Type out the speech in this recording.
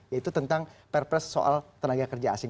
yaitu tentang perpres soal tenaga kerja asing